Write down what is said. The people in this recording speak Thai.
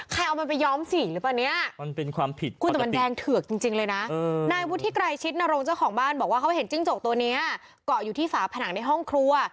เกาะอยู่ที่ฝาผนังเข้าในห้องครัว